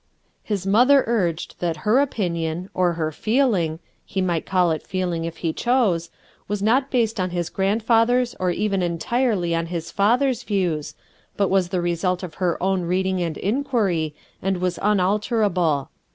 His mother urged that her opinion, or her feel ing — he might call it feeling if he chose — was not based on his grandfather's or even entirely on his father's views, but was the result of her own reading and inquiry, and was unalterable.